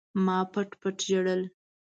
ما پټ پټ ژړل.